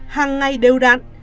hàng ngày đều đạn